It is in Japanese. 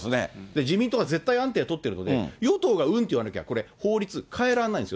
自民党が絶対安定取ってると与党がうんと言わなきゃ、これ、法律変えられないんですよ。